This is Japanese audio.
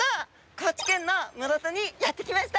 高知県の室戸にやって来ました。